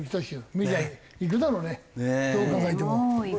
メジャーに行くだろうねどう考えても。